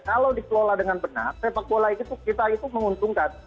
kalau dikelola dengan benar sepak bola itu kita itu menguntungkan